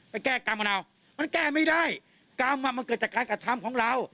ไปแก้กรรมกับเรามันแก้ไม่ได้กรรมอ่ะมันเกิดจากการกระทำของเรา